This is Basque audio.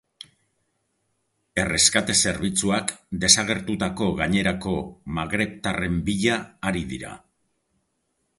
Erreskate zerbitzuak desagertutako gainerako magrebtarren bila ari dira.